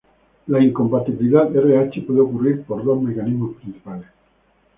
La incompatibilidad Rh puede ocurrir por dos mecanismos principales.